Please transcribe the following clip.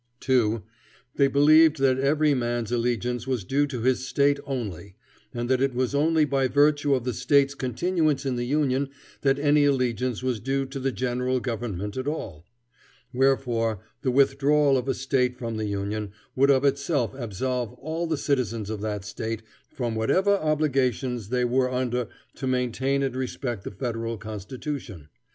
2. They believed that every man's allegiance was due to his State only, and that it was only by virtue of the State's continuance in the Union that any allegiance was due to the general government at all; wherefore the withdrawal of a State from the Union would of itself absolve all the citizens of that State from whatever obligations they were under to maintain and respect the Federal constitution.